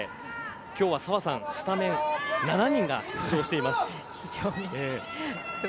今日は澤さん、スタメン７人が出場しています。